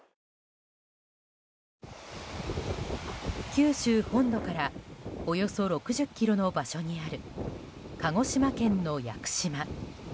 九州本土からおよそ６０ｋｍの場所にある鹿児島県の屋久島。